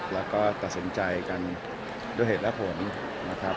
และก็สั่งไปสินค้าตัวเหตุและผลนะครับ